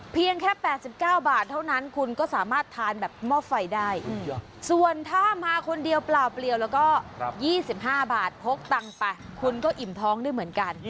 เพียงแค่๘๙บาทเท่านั้นคุณก็สามารถทานแบบหม้อไฟได้ส่วนถ้ามาคนเดียวเปล่าเปลี่ยวแล้วก็๒๕บาทพกตังค์ไปคุณก็อิ่มท้องด้วยเหมือนกัน